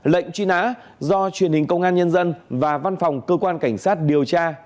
lệnh truy nã do truyền hình công an nhân dân và văn phòng cơ quan cảnh sát điều tra